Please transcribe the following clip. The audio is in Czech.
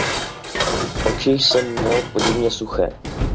Oči jsem měl podivně suché.